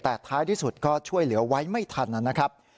แต่ท้ายที่สุดก็ช่วยเหลือไว้ไม่ทันนะครับ